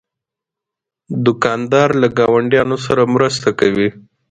دوکاندار له ګاونډیانو سره مرسته کوي.